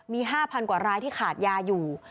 มี๕๐๐กว่ารายที่ขาดยาอยู่